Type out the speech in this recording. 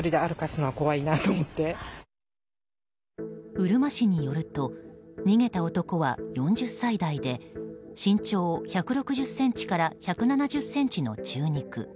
うるま市によると逃げた男は４０歳代で身長１６０ｃｍから１７０ｃｍの中肉。